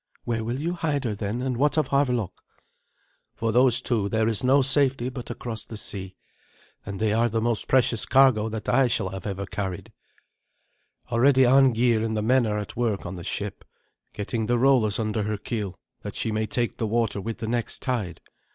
"Where will you hide her then and what of Havelok?" "For those two there is no safety but across the sea, and they are the most precious cargo that I shall ever have carried. Already Arngeir and the men are at work on the ship, getting the rollers under her keel, that she may take the water with the next tide.